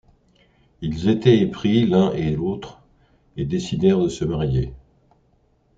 Ils étaient épris l'un et l'autre et décidèrent de se marier.